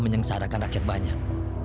menyengsarakan rakyat banyak